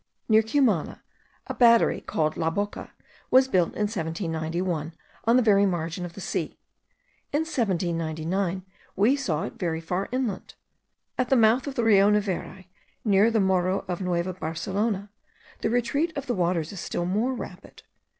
Near Cumana, a battery, called La Boca, was built in 1791 on the very margin of the sea; in 1799 we saw it very far inland. At the mouth of the Rio Neveri, near the Morro of Nueva Barcelona, the retreat of the waters is still more rapid.